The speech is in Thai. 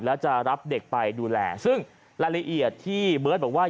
แล้วจะรับเด็กไปดูแลซึ่งรายละเอียดที่เบิร์ตบอกว่า